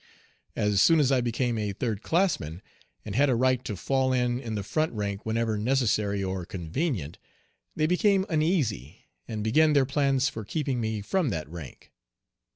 As soon as I became a third classman, and had a right to fall in in the front rank whenever necessary or convenient, they became uneasy, and began their plans for keeping me from that rank.